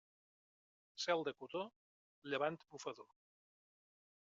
Cel de cotó, llevant bufador.